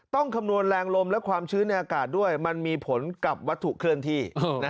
คำนวณแรงลมและความชื้นในอากาศด้วยมันมีผลกับวัตถุเคลื่อนที่